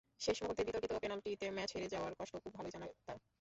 শেষ মুহূর্তে বিতর্কিত পেনাল্টিতে ম্যাচ হেরে যাওয়ার কষ্ট খুব ভালোই জানা তাঁর।